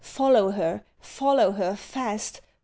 Follow her. Follow her. Fast!